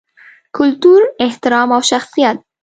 کلتور، احترام او شخصیت